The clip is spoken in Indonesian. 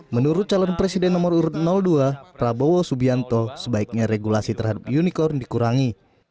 menurut calon presiden nomor urut dua prabowo subianto sebaiknya regulasi terhadap unicorn dikurangi